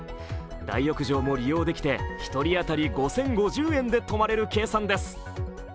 大浴場も利用できて１人当たり５０５０円で泊まれる計算です。